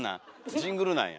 ジングルなんや。